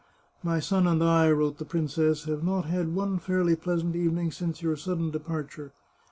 " My son and I," wrote the princess, " have not had one fairly pleasant evening since your sudden departure.